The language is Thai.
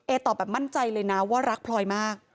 ตอบแบบมั่นใจเลยนะว่ารักพลอยมาก